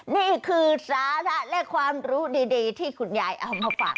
นี่คือสาระและความรู้ดีที่คุณยายเอามาฝาก